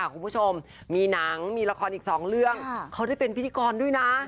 คุณผู้ชมมีหนังมีละครอีกสองเรื่องเขาได้เป็นพิธีกรด้วยนะ